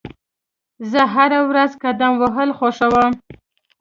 زه هره ورځ قدم وهل خوښوم.